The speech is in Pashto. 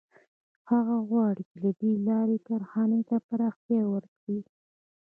هغه غواړي چې له دې لارې کارخانې ته پراختیا ورکړي